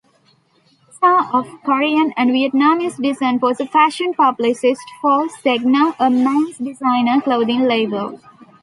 Cha-of Korean and Vietnamese descent-was a fashion publicist for Zegna, a men's designer-clothing label.